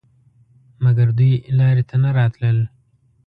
مګر دوی لارې ته نه راتلل.